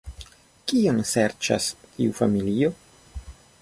Kion serĉas tiu familio?